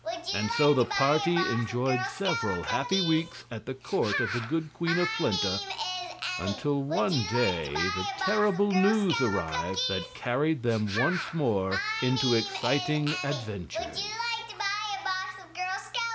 And so the party enjoyed several happy weeks at the court of the good Queen of Plenta, until one day the terrible news arrived that carried them once more into exciting adventures.